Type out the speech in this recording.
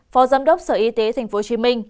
phó giám đốc sở y tế tp hcm